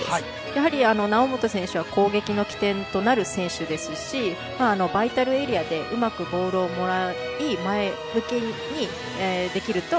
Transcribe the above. やはり猶本選手は攻撃の起点となる選手ですしバイタルエリアでうまくボールをもらい前向きにできると